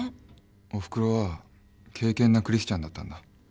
おふくろは敬けんなクリスチャンだったんだ。